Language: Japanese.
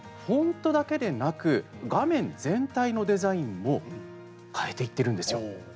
フォントだけでなく画面全体のデザインも変えていってるんですよ。